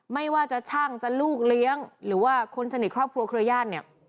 ไม่ว่าจะช่างจะลูกเลี้ยงหรือว่าคนสนิทครอบครัวเครือญาติเนี่ย